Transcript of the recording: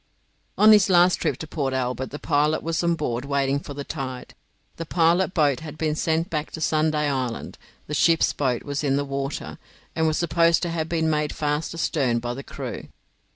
On his last trip to Port Albert the pilot was on board, waiting for the tide. The pilot boat had been sent back to Sunday Island, the ship's boat was in the water, and was supposed to have been made fast astern by the crew.